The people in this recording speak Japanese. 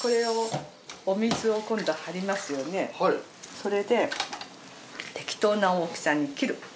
それで適当な大きさに切る。